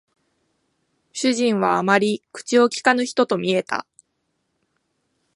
主人はあまり口を聞かぬ人と見えた